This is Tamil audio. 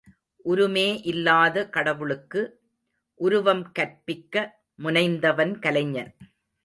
உருமே இல்லாத கடவுளுக்கு உருவம் கற்பிக்க முனைந்தவன் கலைஞன்.